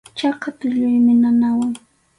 Chaka tulluymi nanawan.